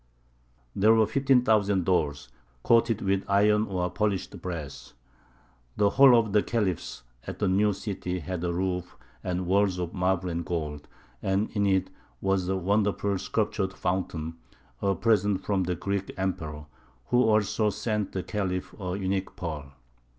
There were fifteen thousand doors, coated with iron or polished brass. The Hall of the Khalifs at the new city had a roof and walls of marble and gold, and in it was a wonderful sculptured fountain, a present from the Greek Emperor, who also sent the Khalif a unique pearl.